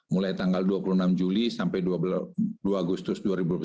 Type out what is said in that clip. mulai tanggal dua puluh enam juli sampai dua agustus dua ribu dua puluh satu